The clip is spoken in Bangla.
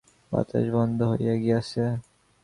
বাতাস বন্ধ হইয়া গিয়াছে।